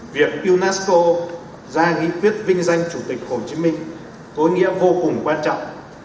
việc unesco ra nghị quyết vinh danh chủ tịch hồ chí minh có nghĩa vô cùng quan trọng